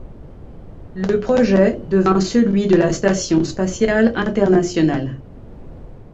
Le projet devint celui de la Station spatiale internationale.